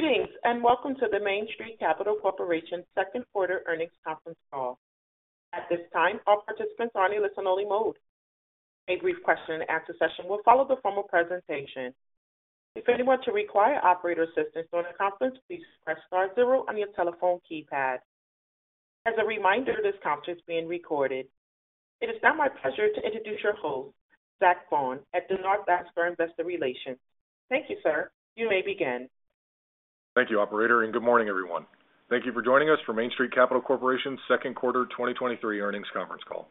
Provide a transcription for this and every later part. Greetings, and welcome to the Main Street Capital Corporation second quarter earnings conference call. At this time, all participants are in listen-only mode. A brief question-and-answer session will follow the formal presentation. If anyone to require operator assistance on the conference, please press star zero on your telephone keypad. As a reminder, this conference is being recorded. It is now my pleasure to introduce your host, Zach Vaughan at the Dennard Lascar Investor Relations. Thank you, sir. You may begin. Thank you, operator. Good morning, everyone. Thank you for joining us for Main Street Capital Corporation's second quarter 2023 earnings conference call.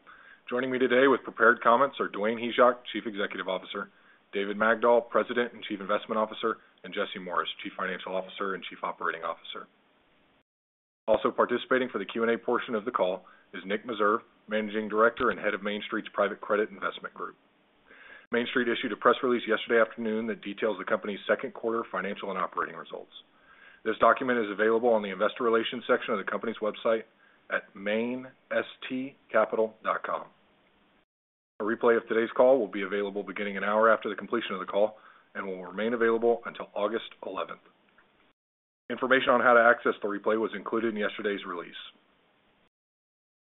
Joining me today with prepared comments are Dwayne Hyzak, Chief Executive Officer; David Magdol, President and Chief Investment Officer; and Jesse Morris, Chief Financial Officer and Chief Operating Officer. Also participating for the Q&A portion of the call is Nick Meserve, Managing Director and Head of Main Street's Private Credit Investment Group. Main Street issued a press release yesterday afternoon that details the company's second quarter financial and operating results. This document is available on the Investor Relations section of the company's website at mainstcapital.com. A replay of today's call will be available beginning an hour after the completion of the call and will remain available until August 11th. Information on how to access the replay was included in yesterday's release.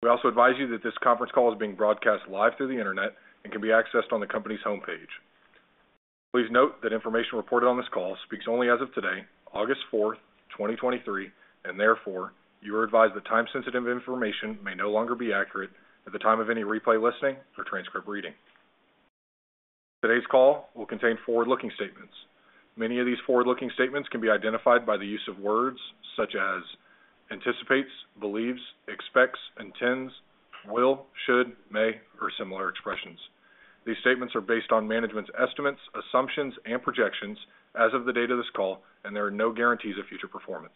We also advise you that this conference call is being broadcast live through the internet and can be accessed on the company's homepage. Please note that information reported on this call speaks only as of today, August 4, 2023, and therefore, you are advised that time-sensitive information may no longer be accurate at the time of any replay, listening, or transcript reading. Today's call will contain forward-looking statements. Many of these forward-looking statements can be identified by the use of words such as anticipates, believes, expects, intends, will, should, may, or similar expressions. These statements are based on management's estimates, assumptions, and projections as of the date of this call, and there are no guarantees of future performance.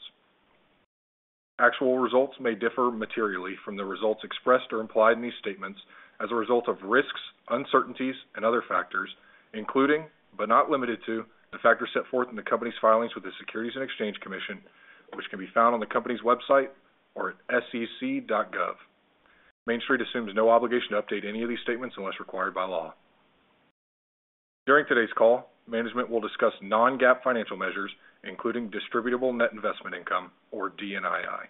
Actual results may differ materially from the results expressed or implied in these statements as a result of risks, uncertainties, and other factors, including, but not limited to, the factors set forth in the company's filings with the Securities and Exchange Commission, which can be found on the company's website or at sec.gov. Main Street assumes no obligation to update any of these statements unless required by law. During today's call, management will discuss non-GAAP financial measures, including distributable net investment income, or DNII.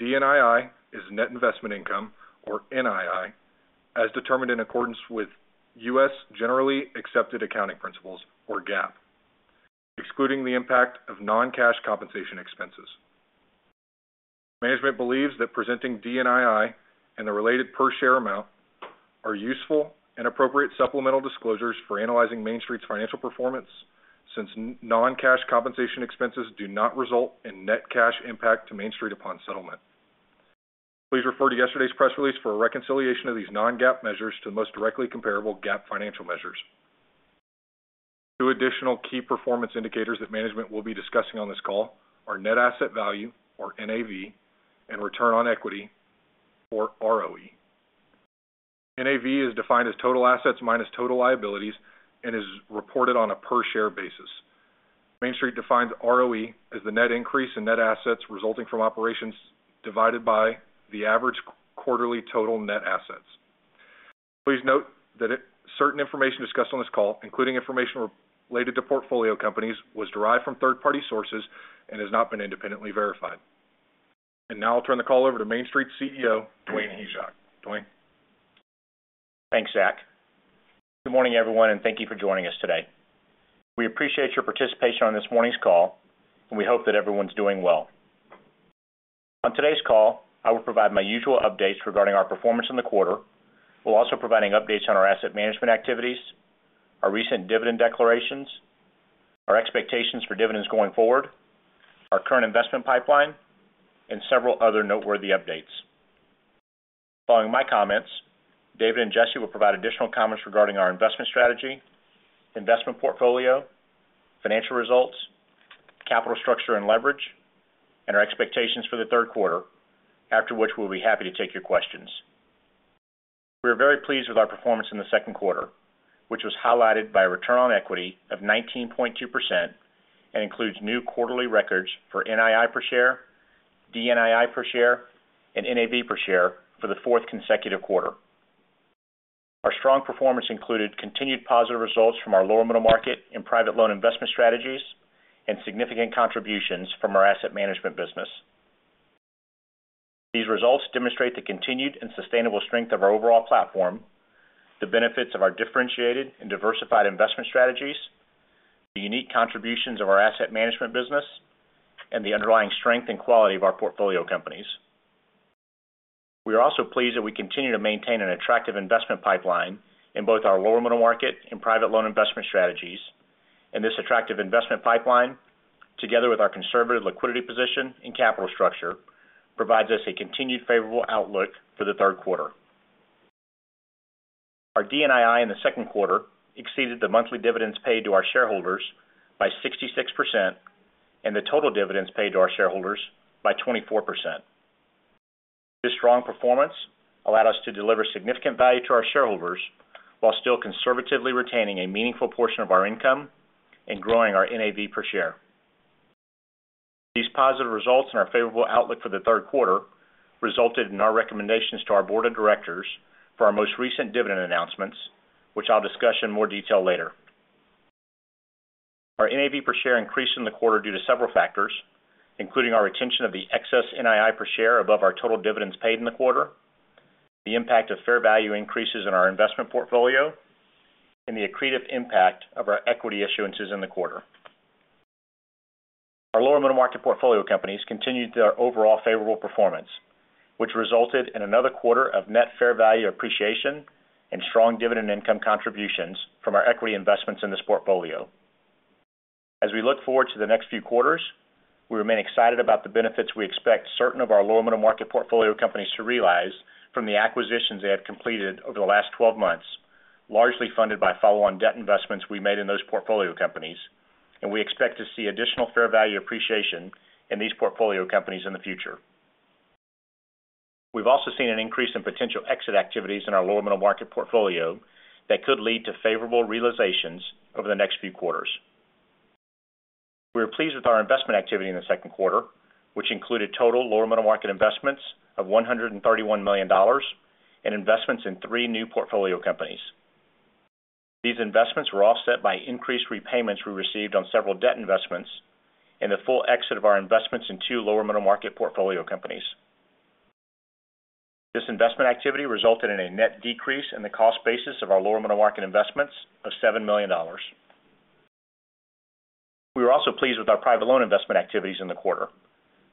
DNII is net investment income, or NII, as determined in accordance with U.S. Generally Accepted Accounting Principles, or GAAP, excluding the impact of non-cash compensation expenses. Management believes that presenting DNII and the related per share amount are useful and appropriate supplemental disclosures for analyzing Main Street's financial performance, since non-cash compensation expenses do not result in net cash impact to Main Street upon settlement. Please refer to yesterday's press release for a reconciliation of these non-GAAP measures to the most directly comparable GAAP financial measures. Two additional key performance indicators that management will be discussing on this call are net asset value, or NAV, and return on equity, or ROE. NAV is defined as total assets minus total liabilities and is reported on a per share basis. Main Street defines ROE as the net increase in net assets resulting from operations divided by the average quarterly total net assets. Please note that certain information discussed on this call, including information related to portfolio companies, was derived from third-party sources and has not been independently verified. Now I'll turn the call over to Main Street's CEO, Dwayne Hyzak. Dwayne? Thanks, Zach. Good morning, everyone, and thank you for joining us today. We appreciate your participation on this morning's call, and we hope that everyone's doing well. On today's call, I will provide my usual updates regarding our performance in the quarter, while also providing updates on our asset management activities, our recent dividend declarations, our expectations for dividends going forward, our current investment pipeline, and several other noteworthy updates. Following my comments, David and Jesse will provide additional comments regarding our investment strategy, investment portfolio, financial results, capital structure and leverage, and our expectations for the third quarter, after which we'll be happy to take your questions. We are very pleased with our performance in the second quarter, which was highlighted by a return on equity of 19.2% and includes new quarterly records for NII per share, DNII per share, and NAV per share for the fourth consecutive quarter. Our strong performance included continued positive results from our lower middle market and private loan investment strategies, and significant contributions from our asset management business. These results demonstrate the continued and sustainable strength of our overall platform, the benefits of our differentiated and diversified investment strategies, the unique contributions of our asset management business, and the underlying strength and quality of our portfolio companies. We are also pleased that we continue to maintain an attractive investment pipeline in both our lower middle market and private loan investment strategies, and this attractive investment pipeline, together with our conservative liquidity position and capital structure, provides us a continued favorable outlook for the third quarter. Our DNII in the second quarter exceeded the monthly dividends paid to our shareholders by 66% and the total dividends paid to our shareholders by 24%. This strong performance allowed us to deliver significant value to our shareholders, while still conservatively retaining a meaningful portion of our income and growing our NAV per share. These positive results and our favorable outlook for the third quarter resulted in our recommendations to our board of directors for our most recent dividend announcements, which I'll discuss in more detail later. Our NAV per share increased in the quarter due to several factors, including our retention of the excess NII per share above our total dividends paid in the quarter, the impact of fair value increases in our investment portfolio, and the accretive impact of our equity issuances in the quarter. Our lower middle market portfolio companies continued their overall favorable performance, which resulted in another quarter of net fair value appreciation and strong dividend income contributions from our equity investments in this portfolio. As we look forward to the next few quarters, we remain excited about the benefits we expect certain of our lower middle market portfolio companies to realize from the acquisitions they have completed over the last 12 months, largely funded by follow-on debt investments we made in those portfolio companies, and we expect to see additional fair value appreciation in these portfolio companies in the future. We've also seen an increase in potential exit activities in our lower middle market portfolio that could lead to favorable realizations over the next few quarters. We are pleased with our investment activity in the second quarter, which included total lower middle market investments of $131 million and investments in three new portfolio companies. These investments were offset by increased repayments we received on several debt investments and the full exit of our investments in two lower middle market portfolio companies. This investment activity resulted in a net decrease in the cost basis of our lower middle market investments of $7 million. We were also pleased with our private loan investment activities in the quarter,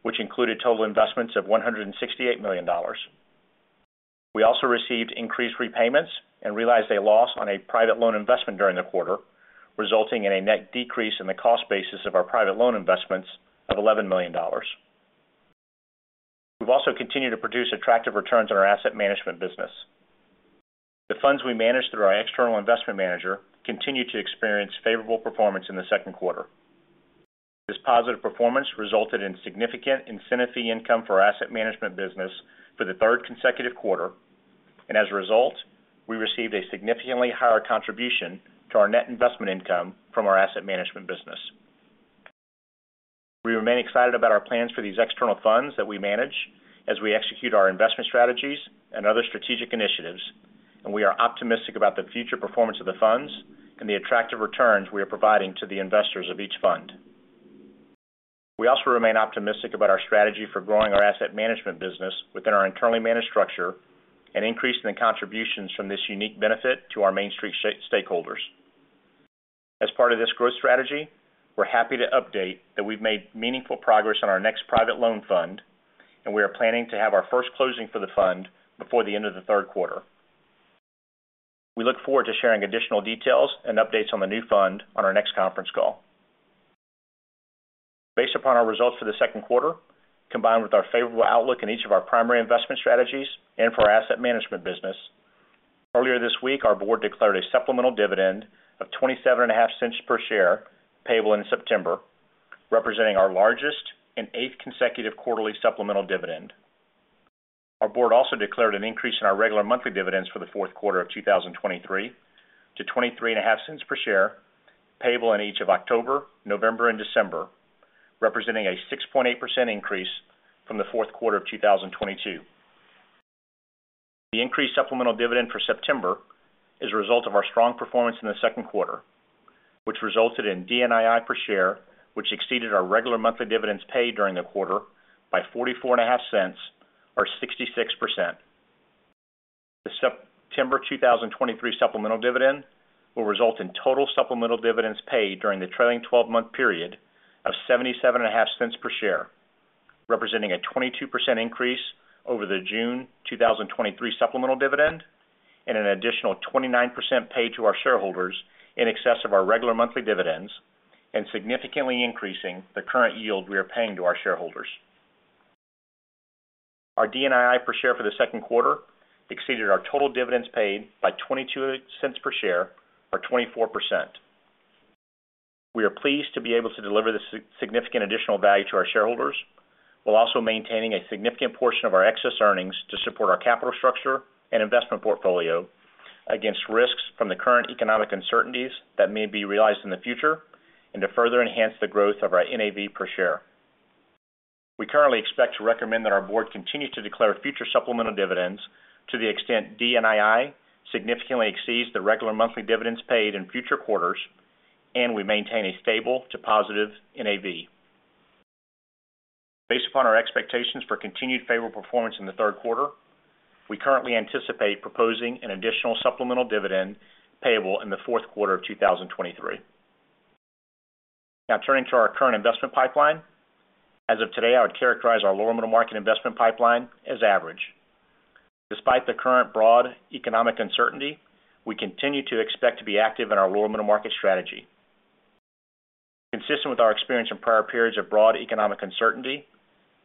which included total investments of $168 million. We also received increased repayments and realized a loss on a private loan investment during the quarter, resulting in a net decrease in the cost basis of our private loan investments of $11 million. We've also continued to produce attractive returns on our asset management business. The funds we manage through our external investment manager continued to experience favorable performance in the second quarter. This positive performance resulted in significant incentive fee income for our asset management business for the third consecutive quarter. As a result, we received a significantly higher contribution to our net investment income from our asset management business. We remain excited about our plans for these external funds that we manage as we execute our investment strategies and other strategic initiatives, we are optimistic about the future performance of the funds and the attractive returns we are providing to the investors of each fund. We also remain optimistic about our strategy for growing our asset management business within our internally managed structure and increasing the contributions from this unique benefit to our Main Street stakeholders. As part of this growth strategy, we're happy to update that we've made meaningful progress on our next private loan fund, we are planning to have our first closing for the fund before the end of the third quarter. We look forward to sharing additional details and updates on the new fund on our next conference call. Based upon our results for the second quarter, combined with our favorable outlook in each of our primary investment strategies and for our asset management business, earlier this week, our board declared a supplemental dividend of $0.275 per share, payable in September, representing our largest and eighth consecutive quarterly supplemental dividend. Our board also declared an increase in our regular monthly dividends for the fourth quarter of 2023 to $0.235 per share, payable in each of October, November, and December, representing a 6.8% increase from the fourth quarter of 2022. The increased supplemental dividend for September is a result of our strong performance in the second quarter, which resulted in DNII per share, which exceeded our regular monthly dividends paid during the quarter by $0.445, or 66%. The September 2023 supplemental dividend will result in total supplemental dividends paid during the trailing 12-month period of $0.775 per share, representing a 22% increase over the June 2023 supplemental dividend, and an additional 29% paid to our shareholders in excess of our regular monthly dividends, and significantly increasing the current yield we are paying to our shareholders. Our DNII per share for the second quarter exceeded our total dividends paid by $0.22 per share, or 24%. We are pleased to be able to deliver this significant additional value to our shareholders, while also maintaining a significant portion of our excess earnings to support our capital structure and investment portfolio against risks from the current economic uncertainties that may be realized in the future, and to further enhance the growth of our NAV per share. We currently expect to recommend that our board continue to declare future supplemental dividends to the extent DNII significantly exceeds the regular monthly dividends paid in future quarters, and we maintain a stable to positive NAV. Based upon our expectations for continued favorable performance in the third quarter, we currently anticipate proposing an additional supplemental dividend payable in the fourth quarter of 2023. Now, turning to our current investment pipeline. As of today, I would characterize our lower middle market investment pipeline as average. Despite the current broad economic uncertainty, we continue to expect to be active in our lower middle market strategy. Consistent with our experience in prior periods of broad economic uncertainty,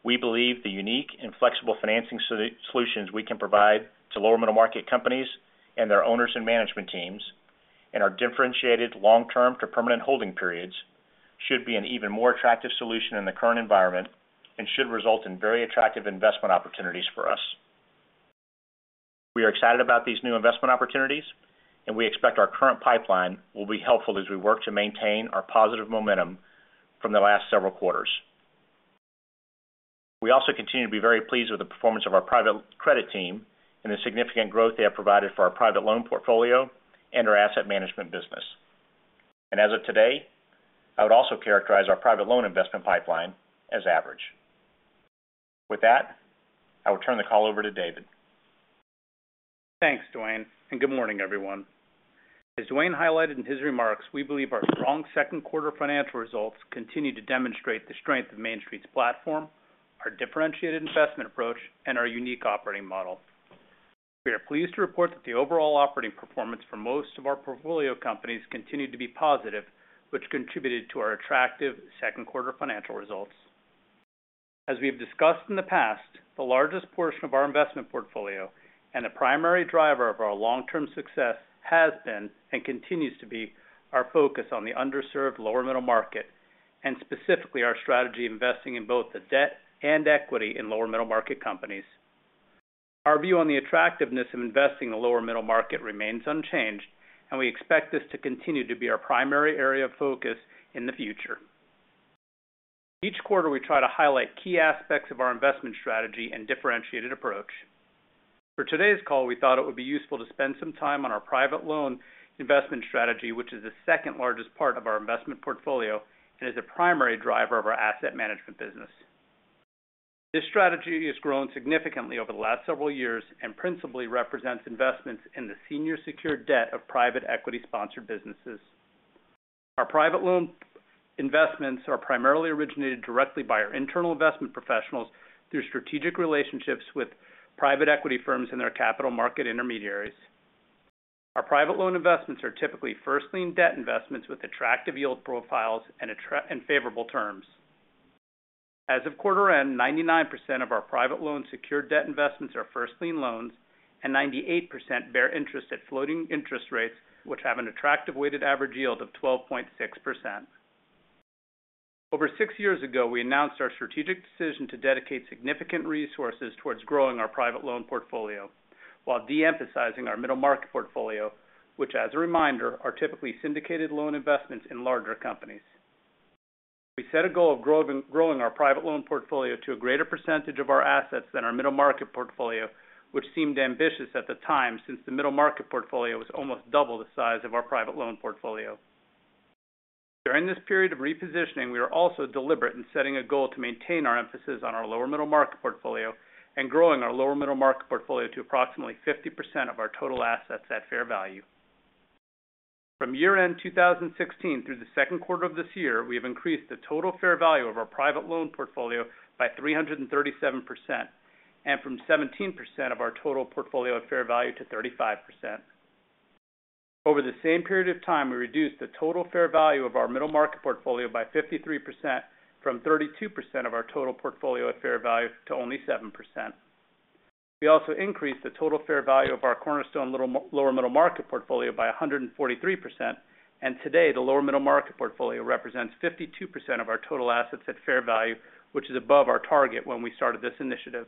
we believe the unique and flexible financing solutions we can provide to lower middle market companies and their owners and management teams, and our differentiated long-term to permanent holding periods, should be an even more attractive solution in the current environment and should result in very attractive investment opportunities for us. We are excited about these new investment opportunities, and we expect our current pipeline will be helpful as we work to maintain our positive momentum from the last several quarters. We also continue to be very pleased with the performance of our private credit team and the significant growth they have provided for our private loan portfolio and our asset management business. As of today, I would also characterize our private loan investment pipeline as average. With that, I will turn the call over to David. Thanks, Dwayne, and good morning, everyone. As Dwayne highlighted in his remarks, we believe our strong second quarter financial results continue to demonstrate the strength of Main Street's platform, our differentiated investment approach, and our unique operating model. We are pleased to report that the overall operating performance for most of our portfolio companies continued to be positive, which contributed to our attractive second quarter financial results. As we've discussed in the past, the largest portion of our investment portfolio and the primary driver of our long-term success has been and continues to be our focus on the underserved lower middle market, and specifically, our strategy investing in both the debt and equity in lower middle market companies. Our view on the attractiveness of investing in the lower middle market remains unchanged, and we expect this to continue to be our primary area of focus in the future. Each quarter, we try to highlight key aspects of our investment strategy and differentiated approach. For today's call, we thought it would be useful to spend some time on our private loan investment strategy, which is the second largest part of our investment portfolio and is a primary driver of our asset management business. This strategy has grown significantly over the last several years and principally represents investments in the senior secured debt of private equity-sponsored businesses. Our private loan investments are primarily originated directly by our internal investment professionals through strategic relationships with private equity firms and their capital market intermediaries. Our private loan investments are typically first lien debt investments with attractive yield profiles and favorable terms. As of quarter end, 99% of our private loan secured debt investments are first lien loans, 98% bear interest at floating interest rates, which have an attractive weighted average yield of 12.6%. Over six years ago, we announced our strategic decision to dedicate significant resources towards growing our private loan portfolio, while de-emphasizing our middle market portfolio, which, as a reminder, are typically syndicated loan investments in larger companies. We set a goal of growing our private loan portfolio to a greater percentage of our assets than our middle market portfolio, which seemed ambitious at the time, since the middle market portfolio was almost double the size of our private loan portfolio. During this period of repositioning, we were also deliberate in setting a goal to maintain our emphasis on our lower middle market portfolio and growing our lower middle market portfolio to approximately 50% of our total assets at fair value. From year-end 2016 through the second quarter of this year, we have increased the total fair value of our private loan portfolio by 337%, and from 17% of our total portfolio at fair value to 35%. Over the same period of time, we reduced the total fair value of our middle market portfolio by 53%, from 32% of our total portfolio at fair value to only 7%. We also increased the total fair value of our cornerstone lower middle market portfolio by 143%. Today, the lower middle market portfolio represents 52% of our total assets at fair value, which is above our target when we started this initiative.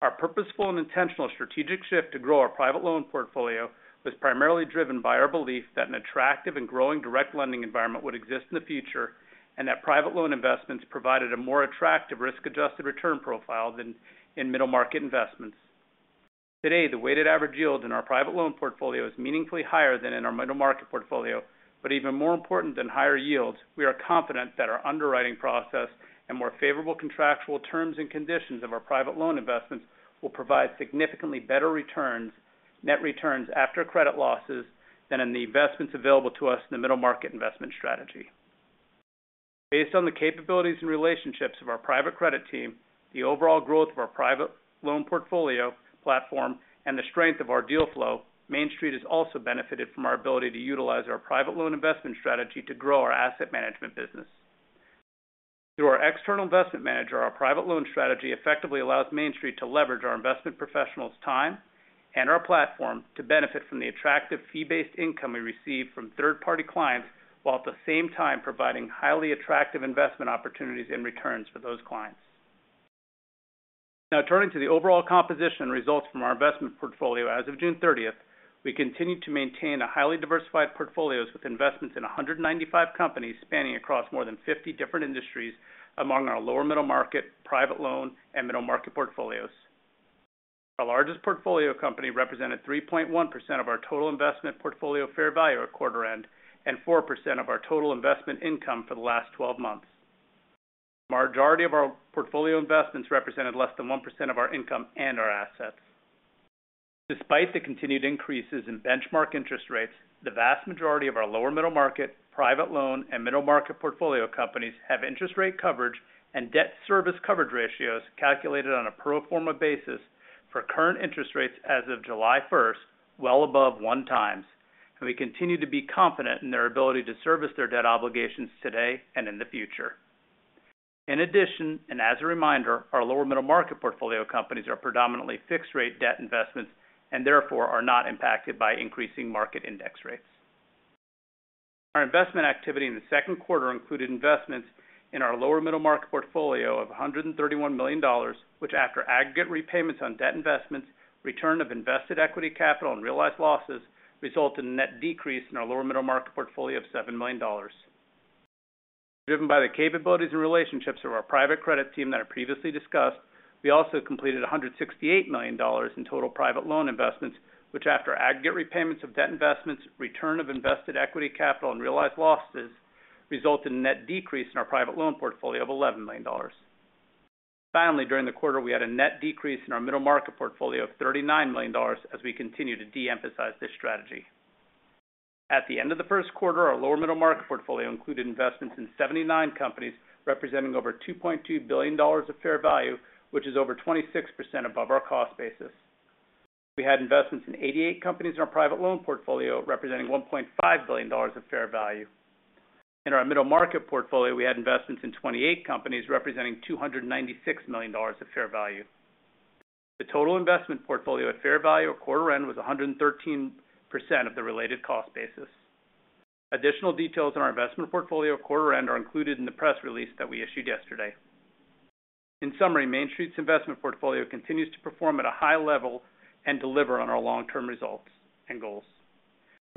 Our purposeful and intentional strategic shift to grow our private loan portfolio was primarily driven by our belief that an attractive and growing direct lending environment would exist in the future, and that private loan investments provided a more attractive risk-adjusted return profile than in middle market investments. Today, the weighted average yield in our private loan portfolio is meaningfully higher than in our middle market portfolio. Even more important than higher yields, we are confident that our underwriting process and more favorable contractual terms and conditions of our private loan investments will provide significantly better returns, net returns after credit losses than in the investments available to us in the middle market investment strategy. Based on the capabilities and relationships of our private credit team, the overall growth of our private loan portfolio platform, and the strength of our deal flow, Main Street has also benefited from our ability to utilize our private loan investment strategy to grow our asset management business. Through our external investment manager, our private loan strategy effectively allows Main Street to leverage our investment professionals' time and our platform to benefit from the attractive fee-based income we receive from third-party clients, while at the same time providing highly attractive investment opportunities and returns for those clients. Now, turning to the overall composition and results from our investment portfolio. As of June 30th, we continue to maintain a highly diversified portfolios with investments in 195 companies, spanning across more than 50 different industries among our lower middle market, private loan, and middle market portfolios. Our largest portfolio company represented 3.1% of our total investment portfolio fair value at quarter end and 4% of our total investment income for the last 12 months. Majority of our portfolio investments represented less than 1% of our income and our assets. Despite the continued increases in benchmark interest rates, the vast majority of our lower middle market, private loan, and middle market portfolio companies have interest rate coverage and debt service coverage ratios calculated on a pro forma basis for current interest rates as of July 1, well above 1x, we continue to be confident in their ability to service their debt obligations today and in the future. In addition, and as a reminder, our lower middle market portfolio companies are predominantly fixed-rate debt investments and therefore are not impacted by increasing market index rates. Our investment activity in the second quarter included investments in our lower middle market portfolio of $131 million, which, after aggregate repayments on debt investments, return of invested equity capital and realized losses, result in a net decrease in our lower middle market portfolio of $7 million. driven by the capabilities and relationships of our private credit team that I previously discussed, we also completed $168 million in total private loan investments, which, after aggregate repayments of debt investments, return of invested equity capital, and realized losses, resulted in net decrease in our private loan portfolio of $11 million. During the quarter, we had a net decrease in our middle market portfolio of $39 million as we continue to de-emphasize this strategy. At the end of the first quarter, our lower middle market portfolio included investments in 79 companies, representing over $2.2 billion of fair value, which is over 26% above our cost basis. We had investments in 88 companies in our private loan portfolio, representing $1.5 billion of fair value. In our middle market portfolio, we had investments in 28 companies, representing $296 million of fair value. The total investment portfolio at fair value at quarter end was 113% of the related cost basis. Additional details on our investment portfolio at quarter end are included in the press release that we issued yesterday. In summary, Main Street's investment portfolio continues to perform at a high level and deliver on our long-term results and goals.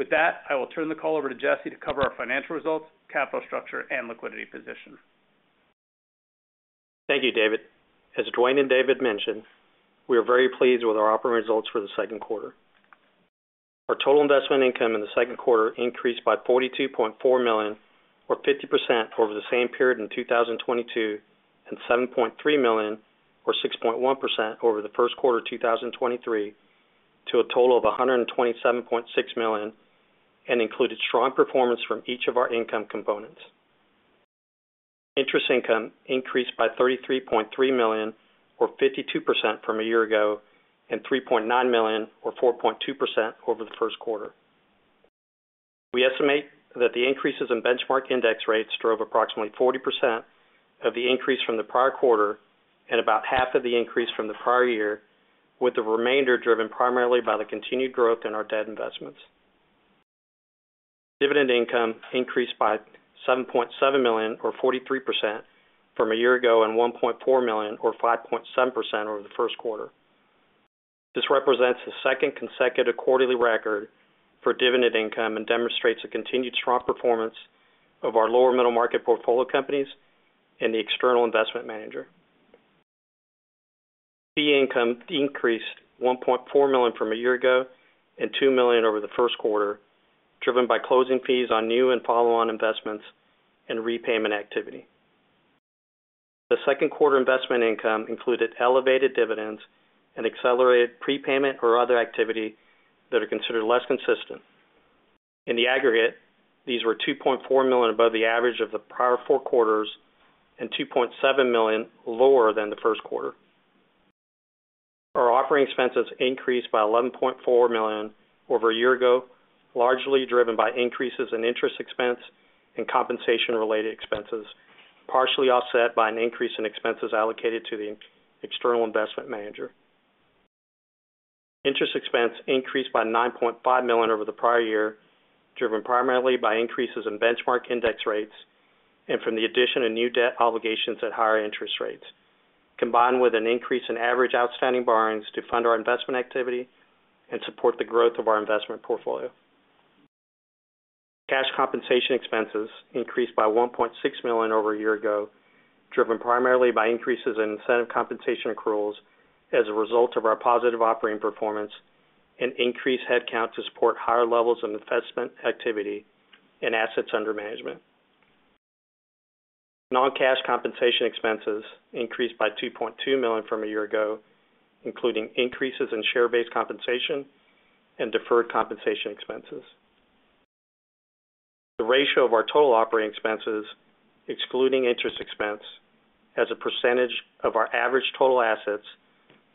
With that, I will turn the call over to Jesse to cover our financial results, capital structure, and liquidity position. Thank you, David. As Dwayne and David mentioned, we are very pleased with our operating results for the second quarter. Our total investment income in the second quarter increased by $42.4 million, or 50% over the same period in 2022, and $7.3 million, or 6.1%, over the first quarter of 2023, to a total of $127.6 million, and included strong performance from each of our income components. Interest income increased by $33.3 million, or 52% from a year ago, and $3.9 million, or 4.2%, over the first quarter. We estimate that the increases in benchmark index rates drove approximately 40% of the increase from the prior quarter and about 50% of the increase from the prior year, with the remainder driven primarily by the continued growth in our debt investments. Dividend income increased by $7.7 million, or 43%, from a year ago, and $1.4 million, or 5.7%, over the first quarter. This represents the second consecutive quarterly record for dividend income and demonstrates a continued strong performance of our lower middle market portfolio companies and the external investment manager. Fee income increased $1.4 million from a year ago and $2 million over the first quarter, driven by closing fees on new and follow-on investments and repayment activity. The second quarter investment income included elevated dividends and accelerated prepayment or other activity that are considered less consistent. In the aggregate, these were $2.4 million above the average of the prior four quarters and $2.7 million lower than the first quarter. Our operating expenses increased by $11.4 million over a year ago, largely driven by increases in interest expense and compensation-related expenses, partially offset by an increase in expenses allocated to the external investment manager. Interest expense increased by $9.5 million over the prior year, driven primarily by increases in benchmark index rates and from the addition of new debt obligations at higher interest rates, combined with an increase in average outstanding borrowings to fund our investment activity and support the growth of our investment portfolio. Cash compensation expenses increased by $1.6 million over a year ago, driven primarily by increases in incentive compensation accruals as a result of our positive operating performance and increased headcount to support higher levels of investment activity and assets under management. Non-cash compensation expenses increased by $2.2 million from a year ago, including increases in share-based compensation and deferred compensation expenses. The ratio of our total operating expenses, excluding interest expense, as a percentage of our average total assets,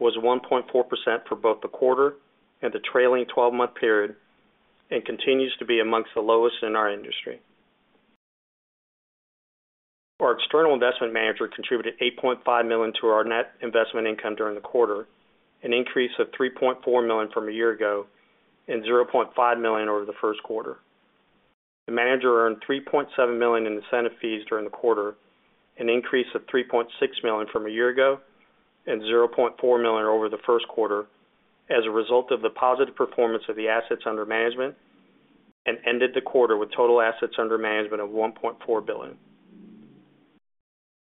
was 1.4% for both the quarter and the trailing twelve-month period, and continues to be amongst the lowest in our industry. Our external investment manager contributed $8.5 million to our net investment income during the quarter, an increase of $3.4 million from a year ago, and $0.5 million over the first quarter. The manager earned $3.7 million in incentive fees during the quarter, an increase of $3.6 million from a year ago, and $0.4 million over the first quarter as a result of the positive performance of the assets under management, and ended the quarter with total assets under management of $1.4 billion.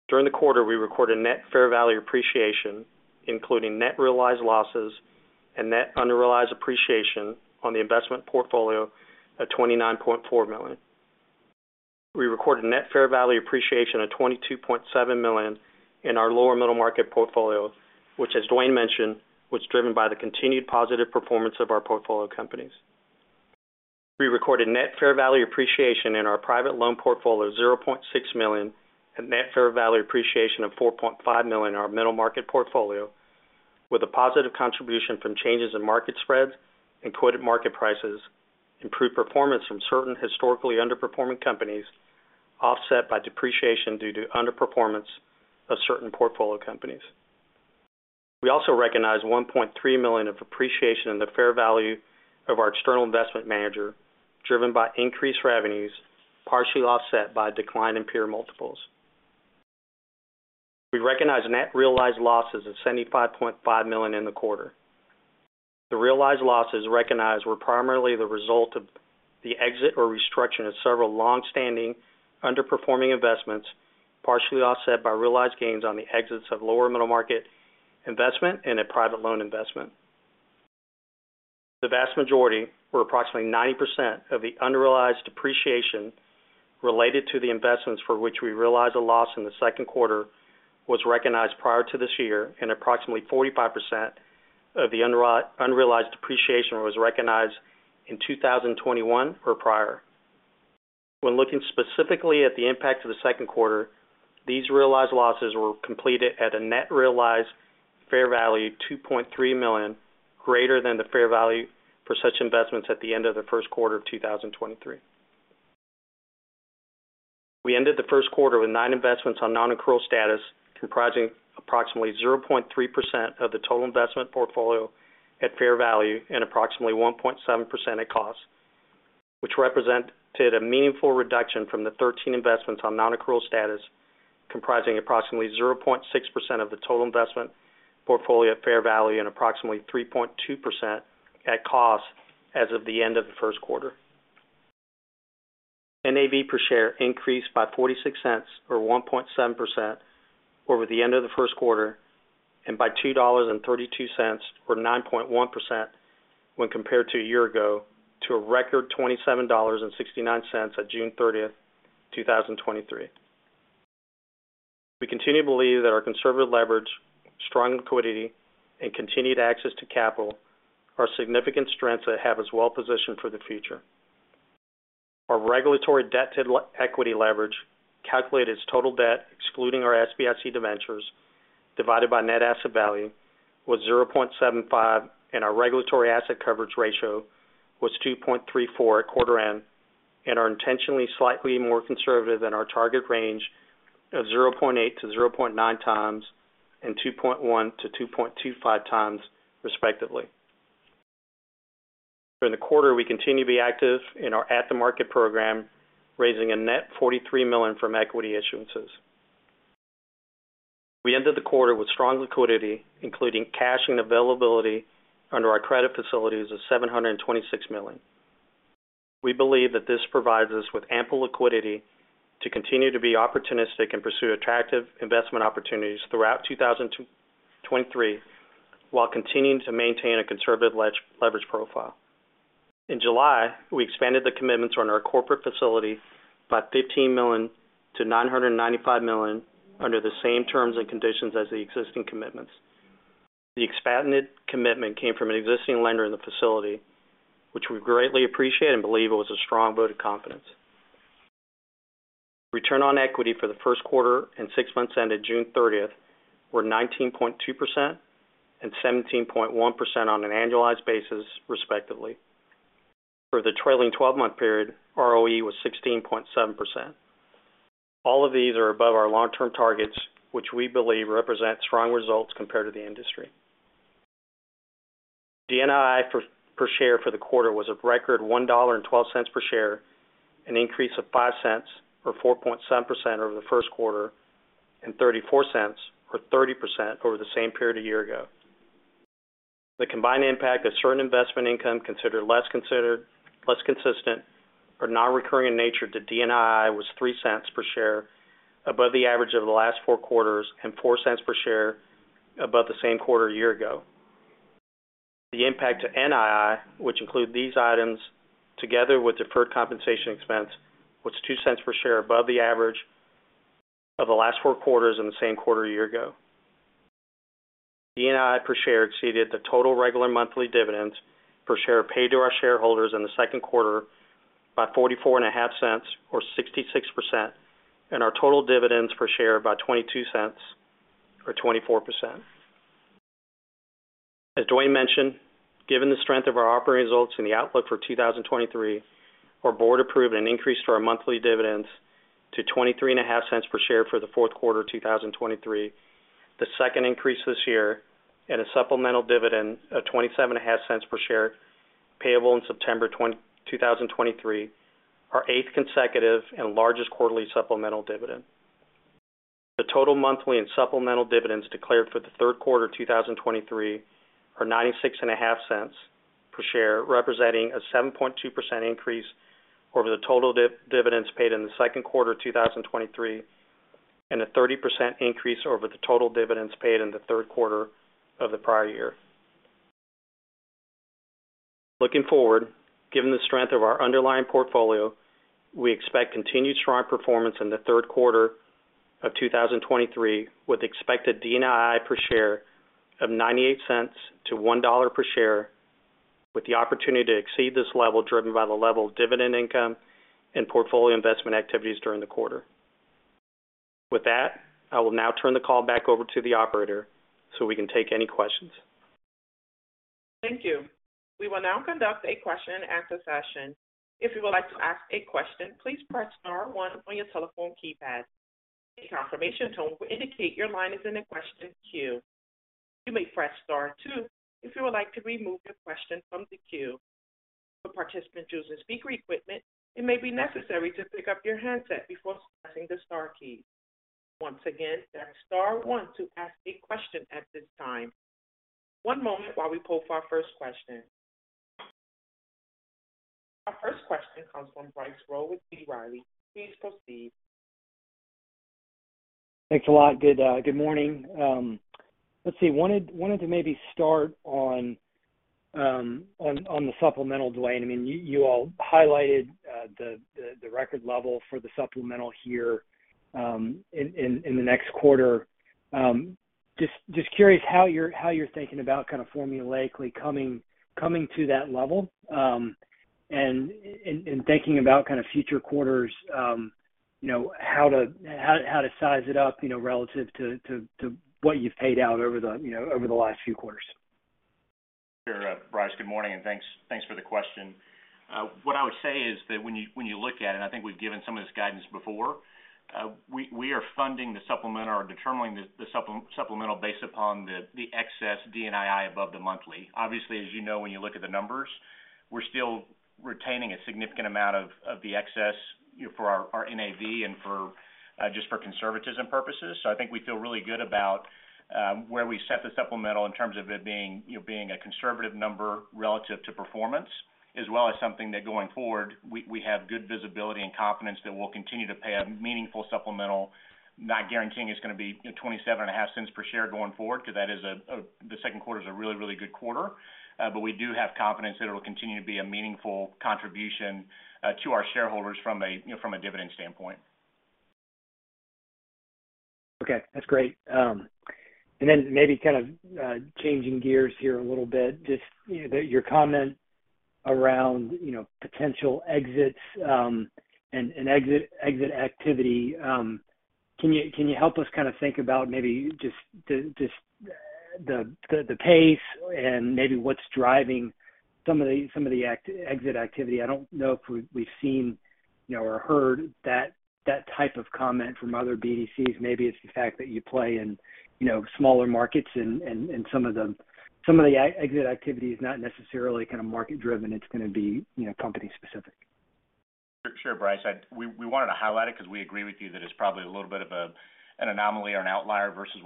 During the quarter, we recorded net fair value appreciation, including net realized losses and net unrealized appreciation on the investment portfolio of $29.4 million. We recorded net fair value appreciation of $22.7 million in our lower middle market portfolio, which, as Dwayne mentioned, was driven by the continued positive performance of our portfolio companies. We recorded net fair value appreciation in our private loan portfolio of $0.6 million and net fair value appreciation of $4.5 million in our middle market portfolio, with a positive contribution from changes in market spreads and quoted market prices, improved performance from certain historically underperforming companies, offset by depreciation due to underperformance of certain portfolio companies. We also recognized $1.3 million of appreciation in the fair value of our external investment manager, driven by increased revenues, partially offset by a decline in peer multiples. We recognize net realized losses of $75.5 million in the quarter. The realized losses recognized were primarily the result of the exit or restructure of several long-standing underperforming investments, partially offset by realized gains on the exits of lower middle market investment and a private loan investment. The vast majority, or approximately 90% of the unrealized depreciation related to the investments for which we realized a loss in the second quarter, was recognized prior to this year, and approximately 45% of the unrealized depreciation was recognized in 2021 or prior. When looking specifically at the impact of the second quarter, these realized losses were completed at a net realized fair value, $2.3 million, greater than the fair value for such investments at the end of the first quarter of 2023. We ended the first quarter with nine investments on non-accrual status, comprising approximately 0.3% of the total investment portfolio at fair value and approximately 1.7% at cost, which represented a meaningful reduction from the 13 investments on non-accrual status, comprising approximately 0.6% of the total investment portfolio at fair value and approximately 3.2% at cost as of the end of the first quarter. NAV per share increased by $0.46, or 1.7% over the end of the first quarter, and by $2.32, or 9.1% when compared to a year ago, to a record $27.69 on June 30, 2023. We continue to believe that our conservative leverage, strong liquidity, and continued access to capital are significant strengths that have us well positioned for the future. Our regulatory debt to equity leverage, calculated as total debt, excluding our SBIC debentures, divided by net asset value, was 0.75, and our regulatory asset coverage ratio was 2.34 at quarter end, are intentionally slightly more conservative than our target range of 0.8x to 0.9x and 2.1x to 2.25x, respectively. For the quarter, we continue to be active in our at-the-market program, raising a net $43 million from equity issuances. We ended the quarter with strong liquidity, including cash and availability under our credit facilities of $726 million. We believe that this provides us with ample liquidity to continue to be opportunistic and pursue attractive investment opportunities throughout 2023, while continuing to maintain a conservative leverage profile. In July, we expanded the commitments on our corporate facility by $15 million to $995 million under the same terms and conditions as the existing commitments. The expanded commitment came from an existing lender in the facility, which we greatly appreciate and believe it was a strong vote of confidence. Return on equity for the first quarter and six months ended June 30th, were 19.2% and 17.1% on an annualized basis, respectively. For the trailing 12-month period, ROE was 16.7%. All of these are above our long-term targets, which we believe represent strong results compared to the industry. DNI per, per share for the quarter was a record $1.12 per share, an increase of $0.05 or 4.7% over the first quarter, and $0.34 or 30% over the same period a year ago. The combined impact of certain investment income considered less consistent or non-recurring in nature to DNII was $0.03 per share above the average over the last four quarters and $0.04 per share above the same quarter a year ago. The impact to NII, which include these items together with deferred compensation expense, was $0.02 per share above the average of the last four quarters in the same quarter a year ago. DNI per share exceeded the total regular monthly dividends per share paid to our shareholders in the second quarter by $0.445 or 66%, and our total dividends per share by $0.22 or 24%. As Dwayne mentioned, given the strength of our operating results and the outlook for 2023, our board approved an increase to our monthly dividends to $0.235 per share for the fourth quarter of 2023. The second increase this year, a supplemental dividend of $0.275 per share, payable in September 2023, our eighth consecutive and largest quarterly supplemental dividend. The total monthly and supplemental dividends declared for the third quarter of 2023 are $0.965 per share, representing a 7.2% increase over the total dividends paid in the second quarter of 2023, and a 30% increase over the total dividends paid in the third quarter of the prior year. Looking forward, given the strength of our underlying portfolio, we expect continued strong performance in the third quarter of 2023, with expected DNII per share of $0.98 to $1.00 per share, with the opportunity to exceed this level, driven by the level of dividend income and portfolio investment activities during the quarter. With that, I will now turn the call back over to the operator so we can take any questions. Thank you. We will now conduct a question and answer session. If you would like to ask a question, please press star one on your telephone keypad. A confirmation tone will indicate your line is in a question queue. You may press star two if you would like to remove your question from the queue. If a participant chooses speaker equipment, it may be necessary to pick up your handset before pressing the star key. Once again, dial star one to ask a question at this time. One moment while we pull for our first question. Our first question comes from Bryce Rowe with B. Riley. Please proceed. Thanks a lot. Good, good morning. Let's see. Wanted, wanted to maybe start on the supplemental Dwayne. I mean, you, you all highlighted, the, the, the record level for the supplemental here, in, in, in the next quarter. Just, just curious how you're, how you're thinking about kind of formulaically coming, coming to that level. Thinking about kind of future quarters, you know, how to, how, how to size it up, you know, relative to, to, to what you've paid out over the, you know, over the last few quarters. Sure, Bryce, good morning, and thanks, thanks for the question. What I would say is that when you, when you look at it, and I think we've given some of this guidance before, we, we are funding the supplement or determining the supplemental based upon the, the excess DNII above the monthly. Obviously, as you know, when you look at the numbers, we're still retaining a significant amount of, of the excess, you know, for our, our NAV and for, just for conservatism purposes. I think we feel really good about where we set the supplemental in terms of it being, you know, being a conservative number relative to performance, as well as something that, going forward, we, we have good visibility and confidence that we'll continue to pay a meaningful supplemental. Not guaranteeing it's gonna be, you know, $0.275 per share going forward, 'cause that is a really, really good quarter. We do have confidence that it will continue to be a meaningful contribution to our shareholders from a, you know, from a dividend standpoint. Okay, that's great. Maybe kind of changing gears here a little bit. Just, you know, your comment around, you know, potential exits, and exit activity. Can you help us kind of think about maybe just the pace and maybe what's driving some of the, some of the exit activity? I don't know if we've, we've seen, you know, or heard that, that type of comment from other BDCs. Maybe it's the fact that you play in, you know, smaller markets and some of them, some of the exit activity is not necessarily kind of market driven. It's gonna be, you know, company specific. Sure. Sure, Bryce. I-- we, we wanted to highlight it 'cause we agree with you that it's probably a little bit of a, an anomaly or an outlier versu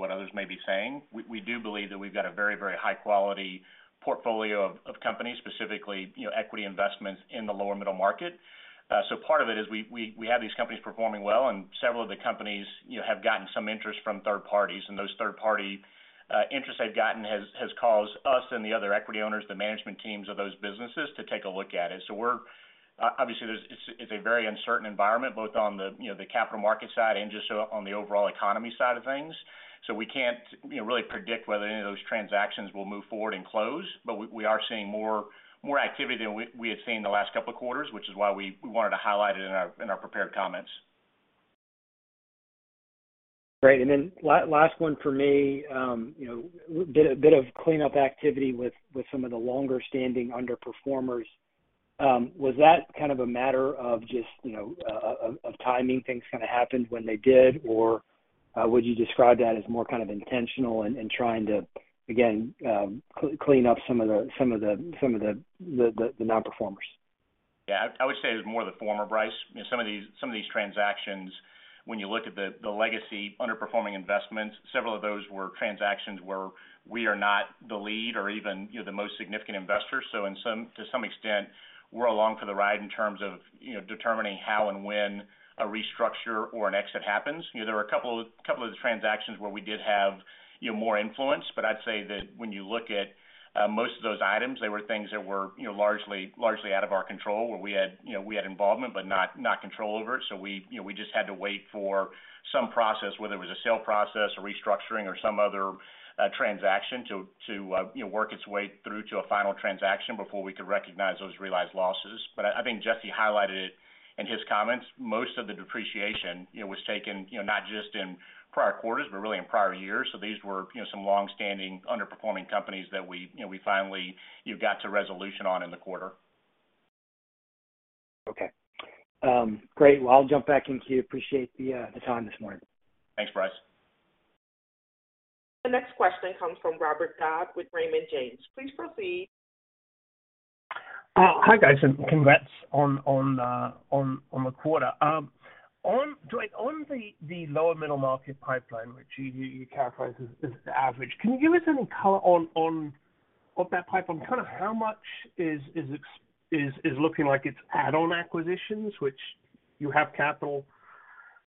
We can't, you know, really predict whether any of those transactions will move forward and close, but we, we are seeing more, more activity than we, we had seen in the last couple of quarters, which is why we, we wanted to highlight it in our, in our prepared comments. Great. Last one for me. You know, a bit of cleanup activity with some of the longer-standing underperformers. Was that kind of a matter of just, you know, of timing, things kind of happened when they did? Would you describe that as more kind of intentional and trying to, again, clean up some of the non-performers? Yeah, I, I would say it's more of the former, Bryce. You know, some of these, some of these transactions, when you look at the, the legacy underperforming investments, several of those were transactions where we are not the lead or even, you know, the most significant investor. To some extent, we're along for the ride in terms of, you know, determining how and when a restructure or an exit happens. You know, there were a couple of the transactions where we did have, you know, more influence, but I'd say that when you look at most of those items, they were things that were, you know, largely, largely out of our control, where we had, you know, we had involvement but not, not control over it. We, you know, we just had to wait for some process, whether it was a sale process, a restructuring, or some other, transaction, to, to, you know, work its way through to a final transaction before we could recognize those realized losses. I, I think Jesse highlighted it in his comments. Most of the depreciation, you know, was taken, you know, not just in prior quarters, but really in prior years. These were, you know, some long-standing, underperforming companies that we, you know, we finally, you've got to resolution on in the quarter. Okay. great. Well, I'll jump back in queue. Appreciate the time this morning. Thanks, Bryce. The next question comes from Robert Dodd with Raymond James. Please proceed. Hi, guys, congrats on the quarter. Dwayne, on the lower middle market pipeline, which you characterized as average, can you give us any color of that pipeline? Kind of how much is looking like it's add-on acquisitions, which you have capital,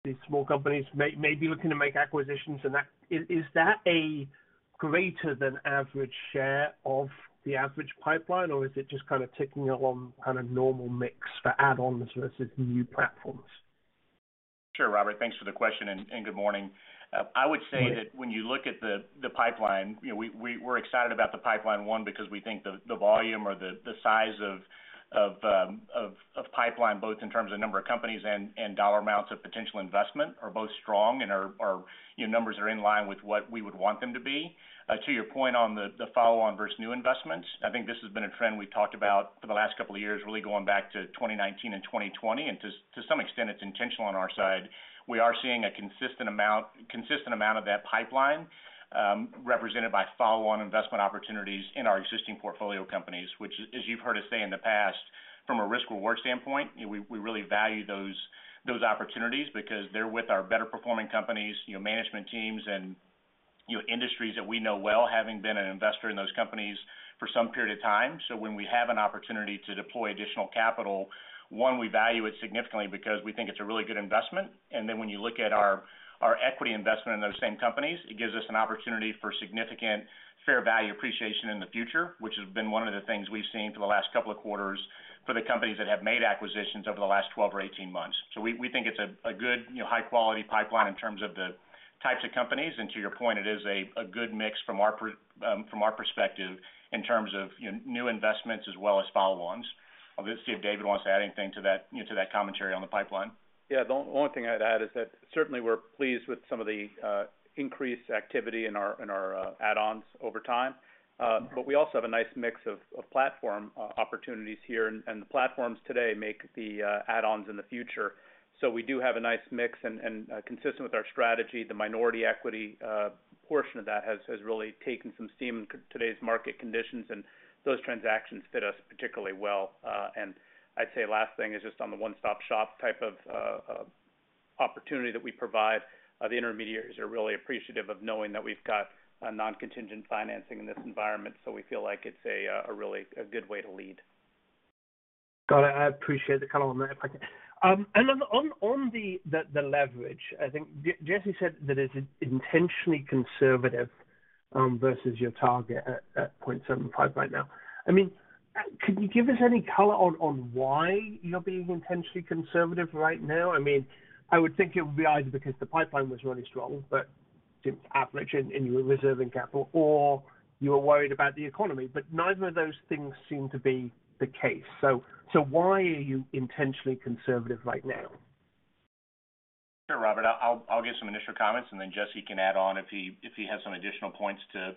these small companies may be looking to make acquisitions and Is that a greater than average share of the average pipeline, or is it just kind of ticking along kind of normal mix for add-ons versus new platforms? Sure, Robert, thanks for the question and good morning. I would say. Good morning. That when you look at the, the pipeline, you know, we we're excited about the pipeline, one, because we think the, the volume or the, the size of pipeline, both in terms of number of companies and, and dollar amounts of potential investment, are both strong and are, are, you know, numbers are in line with what we would want them to be. To your point on the, the follow-on versus new investments, I think this has been a trend we've talked about for the last couple of years, really going back to 2019 and 2020, and to some extent, it's intentional on our side. We are seeing a consistent amount, consistent amount of that pipeline, represented by follow-on investment opportunities in our existing portfolio companies, which as you've heard us say in the past. From a risk-reward standpoint, you know, we, we really value those, those opportunities because they're with our better performing companies, you know, management teams and, you know, industries that we know well, having been an investor in those companies for some period of time. When we have an opportunity to deploy additional capital, one, we value it significantly because we think it's a really good investment. And then when you look at our, our equity investment in those same companies, it gives us an opportunity for significant fair value appreciation in the future, which has been one of the things we've seen for the last couple of quarters for the companies that have made acquisitions over the last 12 or 18 months. We, we think it's a, a good, you know, high-quality pipeline in terms of the types of companies. To your point, it is a, a good mix from our from our perspective, in terms of, you know, new investments as well as follow-ons. I'll just see if David wants to add anything to that, you know, to that commentary on the pipeline. Yeah. The only thing I'd add is that certainly we're pleased with some of the increased activity in our, in our add-ons over time. We also have a nice mix of, of platform opportunities here, and the platforms today make the add-ons in the future. We do have a nice mix, and consistent with our strategy, the minority equity portion of that has really taken some steam in today's market conditions, and those transactions fit us particularly well. I'd say last thing is just on the one-stop-shop type of opportunity that we provide, the intermediaries are really appreciative of knowing that we've got a non-contingent financing in this environment, we feel like it's a really, a good way to lead. Got it. I appreciate the color on that. And on the leverage, I think Jesse said that it's in-intentionally conservative, versus your target at 0.75 right now. I mean, could you give us any color on, on why you're being intentionally conservative right now? I mean, I would think it would be either because the pipeline was really strong, but average in your reserving capital, or you were worried about the economy, but neither of those things seem to be the case. So why are you intentionally conservative right now? Sure, Robert, I'll, I'll give some initial comments, and then Jesse can add on if he, if he has some additional points to,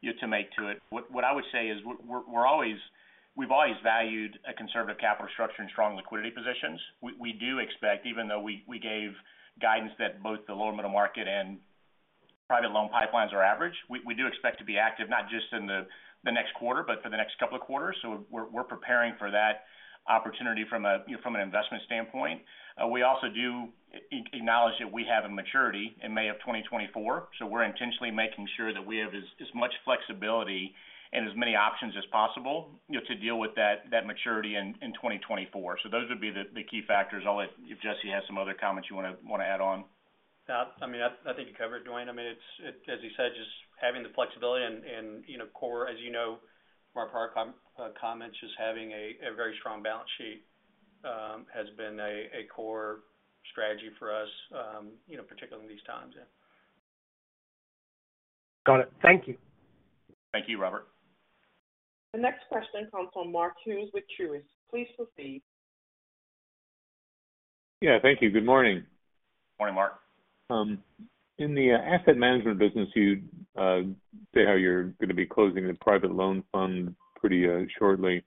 you know, to make to it. What, what I would say is we've always valued a conservative capital structure and strong liquidity positions. We, we do expect, even though we, we gave guidance that both the lower middle market and private loan pipelines are average, we, we do expect to be active, not just in the, the next quarter, but for the next couple of quarters. We're, we're preparing for that opportunity from a, you know, from an investment standpoint. We also do a-acknowledge that we have a maturity in May of 2024, so we're intentionally making sure that we have as, as much flexibility and as many options as possible, you know, to deal with that, that maturity in, in 2024. Those would be the, the key factors. I'll let. If Jesse has some other comments you want to, want to add on. Yeah, I mean, I, I think you covered it, Dwayne. I mean, as you said, just having the flexibility and, and, you know, core, as you know, from our prior comments, just having a, a very strong balance sheet has been a, a core strategy for us, you know, particularly in these times. Yeah. Got it. Thank you. Thank you, Robert. The next question comes from Mark Hughes with Truist. Please proceed. Yeah, thank you. Good morning. Morning, Mark. In the asset management business, you say how you're going to be closing the private loan fund pretty shortly.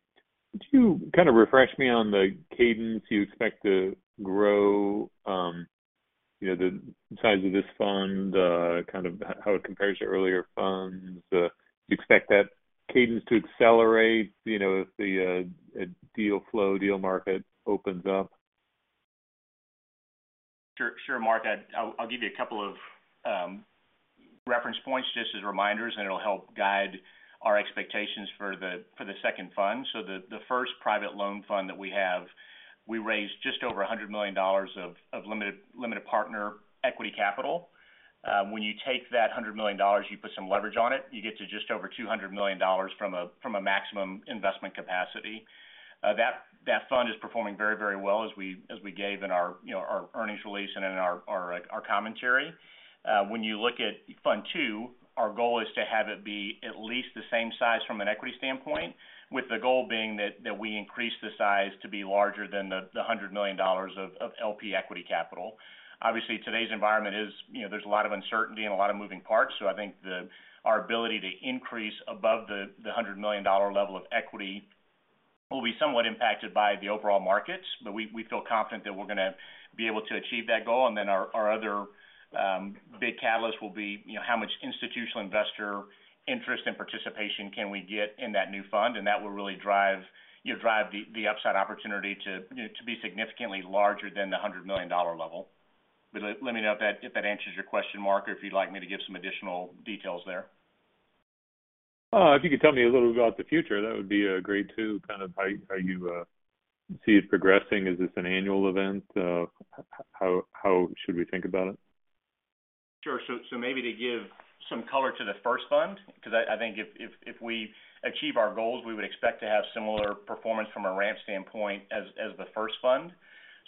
Could you kind of refresh me on the cadence you expect to grow, you know, the size of this fund, kind of how it compares to earlier funds? Do you expect that cadence to accelerate, you know, if the deal flow, deal market opens up? Sure, sure, Mark. I'll, I'll give you a couple of reference points just as reminders, and it'll help guide our expectations for the, for the second fund. The, the first private loan fund that we have, we raised just over $100 million of, of limited, limited partner equity capital. When you take that $100 million, you put some leverage on it, you get to just over $200 million from a, from a maximum investment capacity. That, that fund is performing very, very well as we, as we gave in our, you know, our earnings release and in our commentary. When you look at fund two, our goal is to have it be at least the same size from an equity standpoint, with the goal being that, that we increase the size to be larger than the, the $100 million of LP equity capital. Obviously, today's environment is, you know, there's a lot of uncertainty and a lot of moving parts, so I think our ability to increase above the $100 million level of equity will be somewhat impacted by the overall markets, but we, we feel confident that we're going to be able to achieve that goal. Then our, our other big catalyst will be, you know, how much institutional investor interest and participation can we get in that new fund? That will really drive, you know, drive the, the upside opportunity to, you know, to be significantly larger than the $100 million level. Let, let me know if that, if that answers your question, Mark, or if you'd like me to give some additional details there. If you could tell me a little bit about the future, that would be great, too. Kind of how, how you see it progressing? Is this an annual event? How, how should we think about it? Sure. So maybe to give some color to the first fund, because I, I think if we achieve our goals, we would expect to have similar performance from a ramp standpoint as, as the first fund.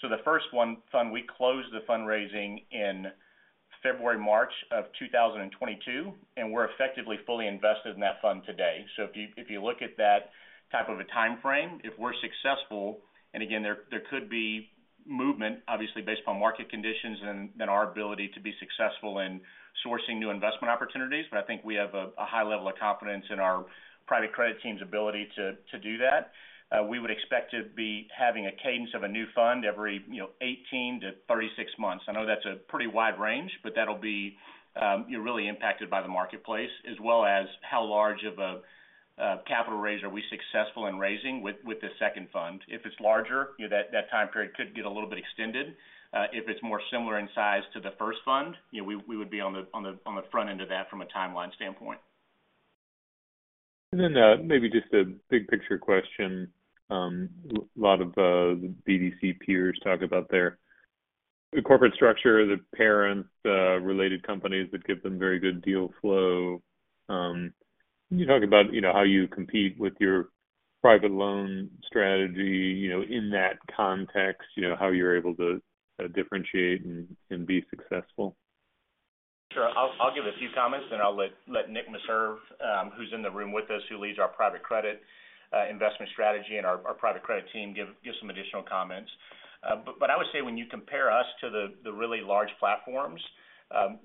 The first one fund, we closed the fundraising in February, March of 2022, and we're effectively fully invested in that fund today. If you, if you look at that type of a timeframe, if we're successful, and again, there, there could be movement, obviously, based upon market conditions and, and our ability to be successful in sourcing new investment opportunities, but I think we have a, a high level of confidence in our private credit team's ability to, to do that. We would expect to be having a cadence of a new fund every, you know, 18-36 months. I know that's a pretty wide range, but that'll be, you know, really impacted by the marketplace, as well as how large of a capital raise, are we successful in raising with, with the second fund? If it's larger, you know, that, that time period could get a little bit extended. If it's more similar in size to the first fund, you know, we, we would be on the, on the, on the front end of that from a timeline standpoint. Maybe just a big picture question. Lot of the BDC peers talk about their, the corporate structure, the parent, related companies that give them very good deal flow. Can you talk about, you know, how you compete with your private loan strategy, you know, in that context, you know, how you're able to differentiate and be successful? Sure. I'll, I'll give a few comments, and I'll let, let Nick Meserve, who's in the room with us, who leads our private credit investment strategy and our, our private credit team, give, give some additional comments. I would say when you compare us to the, the really large platforms,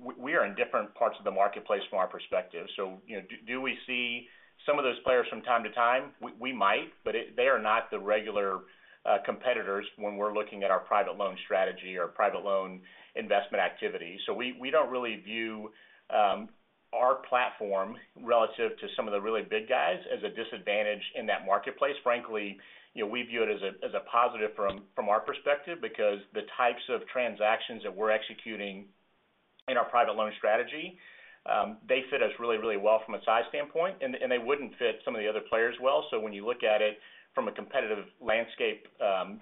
we, we are in different parts of the marketplace from our perspective. You know, do, do we see some of those players from time to time? We, we might, but they are not the regular competitors when we're looking at our private loan strategy or private loan investment activity. We, we don't really view our platform relative to some of the really big guys as a disadvantage in that marketplace. Frankly, you know, we view it as a, as a positive from, from our perspective, because the types of transactions that we're executing in our private loan strategy, they fit us really, really well from a size standpoint, and, and they wouldn't fit some of the other players well. When you look at it from a competitive landscape,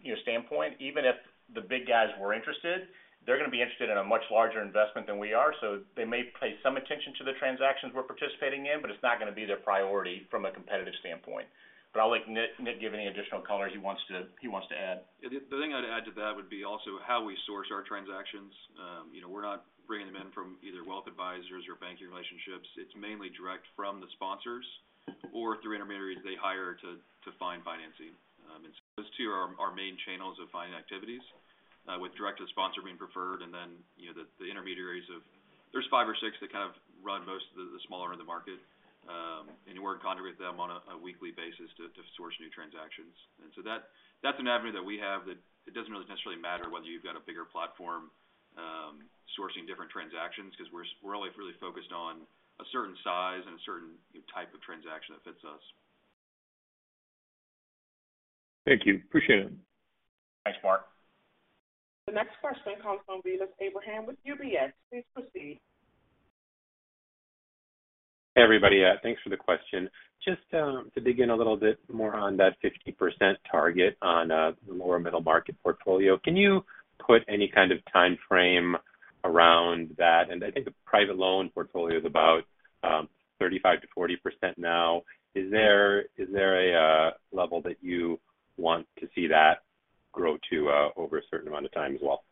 you know, standpoint, even if the big guys were interested, they're going to be interested in a much larger investment than we are. They may pay some attention to the transactions we're participating in, but it's not going to be their priority from a competitive standpoint. I'll let Nick, Nick, give any additional color he wants to, he wants to add. The, the thing I'd add to that would be also how we source our transactions. you know, we're not bringing them in from either wealth advisors or banking relationships. It's mainly direct from the sponsors or through intermediaries they hire to, to find financing. So those two are our, our main channels of finding activities, with direct to the sponsor being preferred, and then, you know, the, the intermediaries of. There's five or six that kind of run most of the, the smaller end of the market, and we're in contact with them on a, a weekly basis to, to source new transactions. That, that's an avenue that we have that it doesn't really necessarily matter whether you've got a bigger platform, sourcing different transactions, because we're, we're only really focused on a certain size and a certain type of transaction that fits us. Thank you. Appreciate it. Thanks, Mark. The next question comes from Vilas Abraham with UBS. Please proceed. Hey, everybody. Thanks for the question. Just to dig in a little bit more on that 50% target on the lower middle market portfolio, can you put any kind of time frame around that? I think the private loan portfolio is about 35% to 40% now. Is there, is there a level that you want to see that grow to over a certain amount of time as well?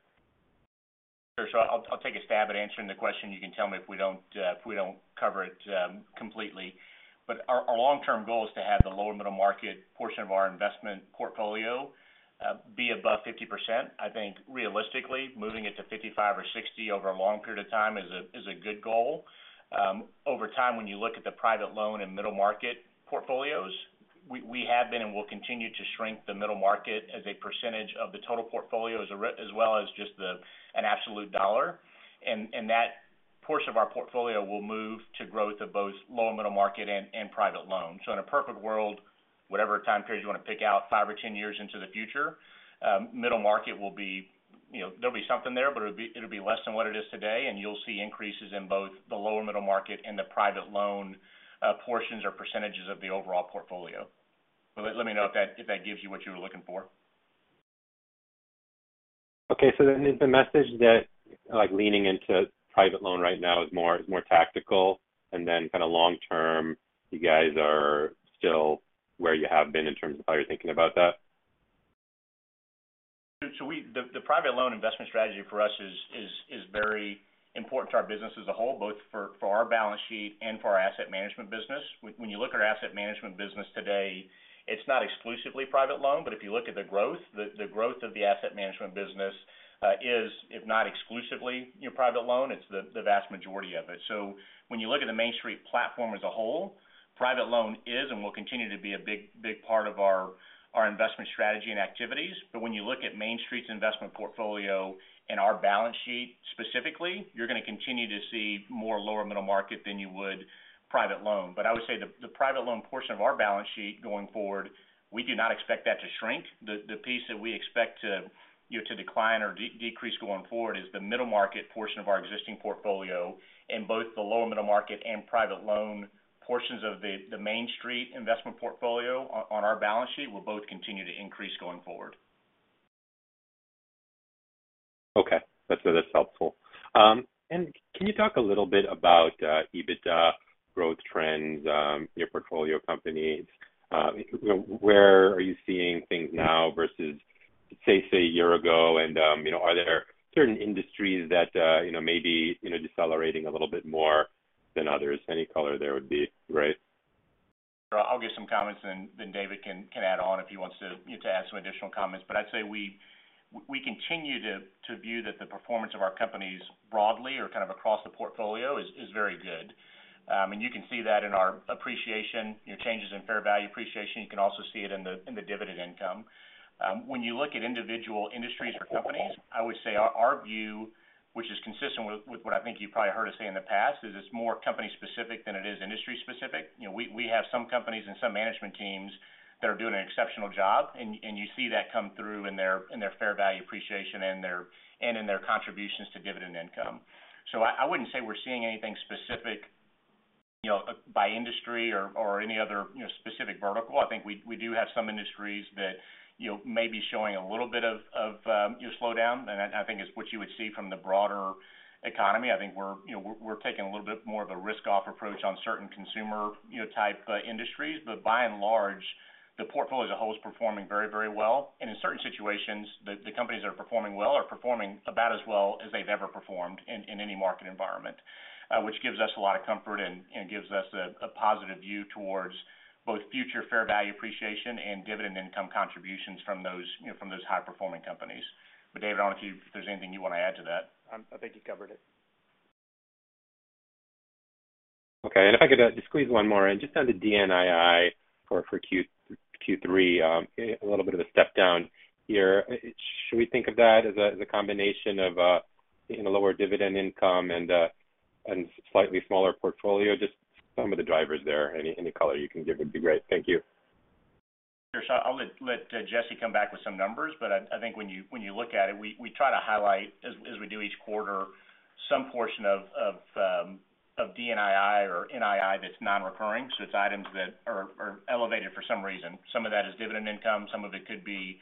Sure. I'll, I'll take a stab at answering the question. You can tell me if we don't, if we don't cover it completely. Our, our long-term goal is to have the lower middle market portion of our investment portfolio be above 50%. I think realistically, moving it to 55 or 60 over a long period of time is a, is a good goal. Over time, when you look at the private loan and middle market portfolios, we, we have been and will continue to shrink the middle market as a percentage of the total portfolio, as well as just the, an absolute dollar. That portion of our portfolio will move to growth of both lower middle market and, and private loans. In a perfect world, whatever time period you want to pick out, five or 10 years into the future, middle market will be, you know, there'll be something there, but it'll be, it'll be less than what it is today, and you'll see increases in both the lower middle market and the private loan, portions or percentages of the overall portfolio. Let, let me know if that, if that gives you what you were looking for. Okay. Is the message that, like, leaning into private loan right now is more, more tactical, and then kind of long term, you guys are still where you have been in terms of how you're thinking about that? We the private loan investment strategy for us is very important to our business as a whole, both for our balance sheet and for our asset management business. When you look at our asset management business today, it's not exclusively private loan, but if you look at the growth, the growth of the asset management business is if not exclusively, you know, private loan, it's the vast majority of it. When you look at the Main Street platform as a whole, private loan is and will continue to be a big, big part of our investment strategy and activities. When you look at Main Street's investment portfolio and our balance sheet, specifically, you're going to continue to see more lower middle market than you would private loan. I would say the, the private loan portion of our balance sheet going forward, we do not expect that to shrink. The, the piece that we expect to, you know, to decline or decrease going forward is the middle market portion of our existing portfolio, and both the lower middle market and private loan portions of the, the Main Street investment portfolio on, on our balance sheet will both continue to increase going forward. Okay. That's, that's helpful. Can you talk a little bit about EBITDA growth trends, your portfolio companies? You know, where are you seeing things now versus, say, say, a year ago? You know, are there certain industries that, you know, may be, you know, decelerating a little bit more than others? Any color there would be great. Sure. I'll give some comments, and then, then David can, can add on if he wants to, you know, to add some additional comments. I'd say we continue to, to view that the performance of our companies broadly or kind of across the portfolio is, is very good. You can see that in our appreciation, you know, changes in fair value appreciation. You can also see it in the, in the dividend income. When you look at individual industries or companies, I would say our, our view, which is consistent with, with what I think you probably heard us say in the past, is it's more company specific than it is industry specific. You know, we, we have some companies and some management teams that are doing an exceptional job, and, and you see that come through in their, in their fair value appreciation and in their, and in their contributions to dividend income. I, I wouldn't say we're seeing anything specific, you know, by industry or, or any other, you know, specific vertical. I think we, we do have some industries that, you know, may be showing a little bit of, of, you know, slowdown, and I, I think it's what you would see from the broader economy. I think we're, you know, we're, we're taking a little bit more of a risk-off approach on certain consumer, you know, type industries. By and large, the portfolio as a whole is performing very, very well. In certain situations, the, the companies that are performing well are performing about as well as they've ever performed in, in any market environment, which gives us a lot of comfort and, and gives us a, a positive view towards both future fair value appreciation and dividend income contributions from those, you know, from those high-performing companies. David, I don't know if you if there's anything you want to add to that? I think you covered it. Okay. If I could, just squeeze one more in, just on the DNII for Q3. A little bit of a step down here. Should we think of that as a, as a combination of, you know, lower dividend income and, and slightly smaller portfolio? Just some of the drivers there. Any, any color you can give would be great. Thank you. Sure. I'll let, let Jesse come back with some numbers, but I, I think when you, when you look at it, we, we try to highlight, as, as we do each quarter, some portion of, of DNII or NII that's non-recurring, so it's items that are, are elevated for some reason. Some of that is dividend income, some of it could be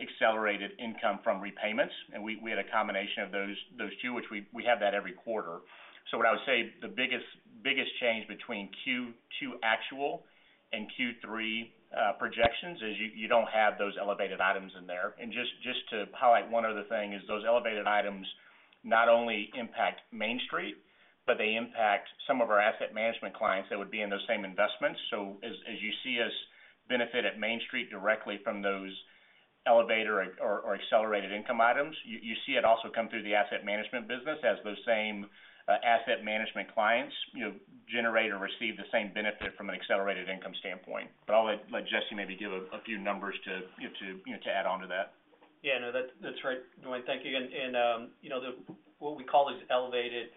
accelerated income from repayments. We, we had a combination of those, those two, which we, we have that every quarter. What I would say the biggest, biggest change between Q2 actual and Q3 projections is you, you don't have those elevated items in there. Just, just to highlight one other thing, is those elevated items not only impact Main Street, but they impact some of our asset management clients that would be in those same investments. As, as you see us benefit at Main Street directly from those elevator or, or accelerated income items, you, you see it also come through the asset management business as those same asset management clients, you know, generate or receive the same benefit from an accelerated income standpoint. I'll let, let Jesse maybe give a few numbers to, you know, to, you know, to add on to that. Yeah, no, that's, that's right, Dwayne. Thank you. You know, the. What we call these elevated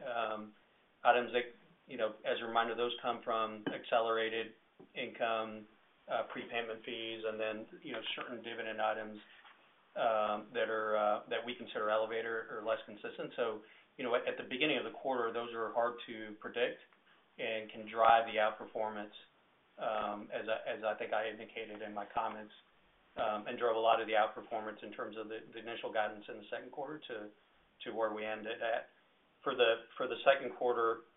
items, like, you know, as a reminder, those come from accelerated income, prepayment fees and then, you know, certain dividend items that are that we consider elevator or less consistent. You know, at, at the beginning of the quarter, those are hard to predict and can drive the outperformance, as I, as I think I indicated in my comments, and drove a lot of the outperformance in terms of the, the initial guidance in the second quarter to, to where we ended at. For the, for the second quarter,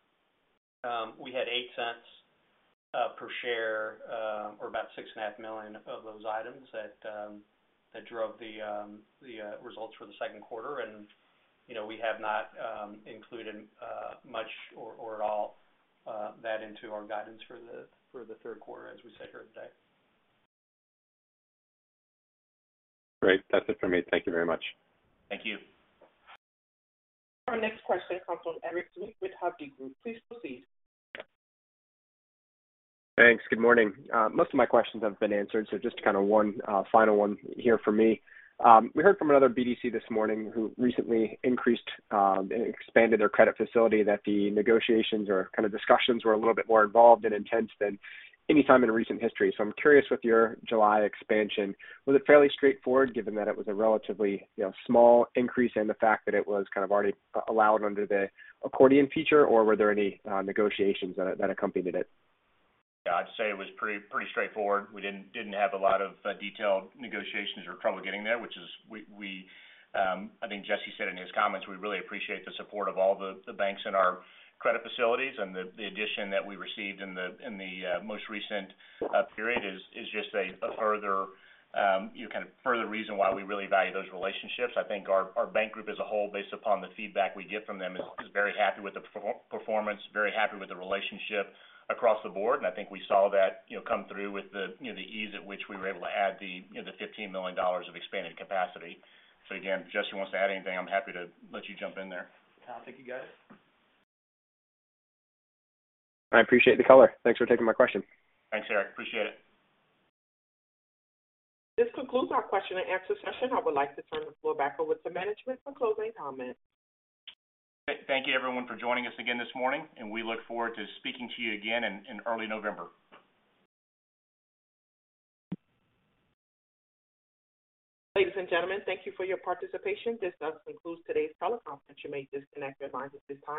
we had $0.08 per share, or about $6.5 million of those items that drove the results for the second quarter. You know, we have not, included, much or, or at all, that into our guidance for the third quarter, as we sit here today. Great. That's it for me. Thank you very much. Thank you. Our next question comes from Eric Zwick with Hovde Group. Please proceed. Thanks. Good morning. Most of my questions have been answered, so just kind of one final one here from me. We heard from another BDC this morning, who recently increased and expanded their credit facility, that the negotiations or kind of discussions were a little bit more involved and intense than any time in recent history. I'm curious with your July expansion, was it fairly straightforward, given that it was a relatively, you know, small increase and the fact that it was kind of already allowed under the accordion feature, or were there any negotiations that accompanied it? Yeah, I'd say it was pretty, pretty straightforward. We didn't, didn't have a lot of detailed negotiations or trouble getting there, which is we, we. I think Jesse said in his comments, we really appreciate the support of all the banks in our credit facilities and the addition that we received in the most recent period is just a further, you know, kind of further reason why we really value those relationships. I think our bank group as a whole, based upon the feedback we get from them, is very happy with the performance, very happy with the relationship across the board. I think we saw that, you know, come through with the, you know, the ease at which we were able to add the, you know, the $15 million of expanded capacity. Again, if Jesse wants to add anything, I'm happy to let you jump in there. No, I think you got it. I appreciate the color. Thanks for taking my question. Thanks, Eric. Appreciate it. This concludes our question and answer session. I would like to turn the floor back over to management for closing comments. Thank you, everyone, for joining us again this morning, and we look forward to speaking to you again in early November. Ladies and gentlemen, thank you for your participation. This does conclude today's teleconference. You may disconnect your lines at this time.